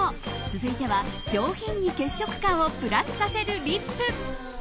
続いては、上品に血色感をプラスさせるリップ。